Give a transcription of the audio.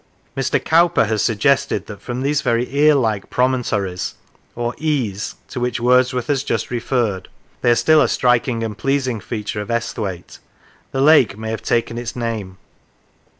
The Lakes Mr. Cowper has suggested that from these very ear like promontories, or " ees," to which Wordsworth has just referred (they are still a striking and pleasing feature of Esthwaite) the lake may have taken its name.